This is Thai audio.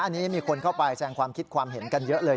อันนี้มีคนเข้าไปแสงความคิดความเห็นกันเยอะเลย